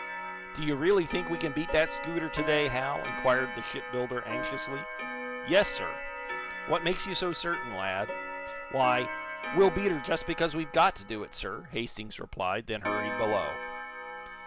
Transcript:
"Do you really think we can beat that scooter to day, Hal?" inquired the shipbuilder, anxiously. "Yes, sir." "What makes you so certain, lad?" "Why, we'll beat her just because we've got to do it, sir," Hastings replied, then hurried below.